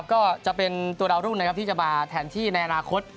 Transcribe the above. ก็จะเป็นตัวดาวรุ่งนะครับที่จะมาแทนที่ในอนาคต